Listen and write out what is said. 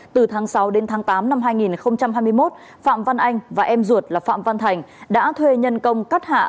từ tháng sáu đến tháng tám năm hai nghìn hai mươi một phạm văn anh và em ruột là phạm văn thành đã thuê nhân công cắt hạ